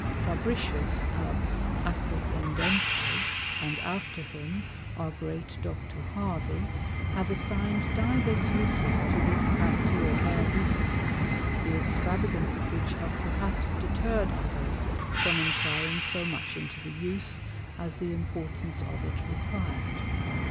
Fabricius ab Aquapendente, and after him, our Great Dr. Harvey, have assign'd divers Uses to this Cavity or Air Vesicle, the Extravagance of which have perhaps deterr'd others from enquiring so much into the Use, as the Importance of it requir'd.